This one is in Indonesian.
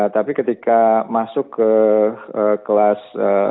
tapi ketika masuk ke kelas sepuluh sebelas dua belas